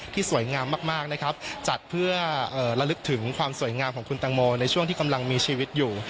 สวยงามมากนะครับจัดเพื่อระลึกถึงความสวยงามของคุณตังโมในช่วงที่กำลังมีชีวิตอยู่